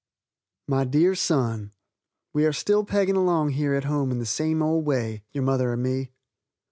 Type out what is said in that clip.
My Dear Son: We are still pegging along here at home in the same old way, your mother and me.